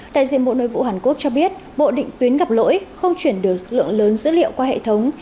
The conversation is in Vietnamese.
đại diện bộ nội vụ hàn quốc cho biết bộ định tuyến gặp lỗi không chuyển được lượng lớn dữ liệu qua hệ thống